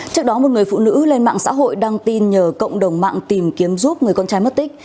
trước đó một người phụ nữ lên mạng xã hội đăng tin nhờ cộng đồng mạng tìm kiếm giúp người con trai mất tích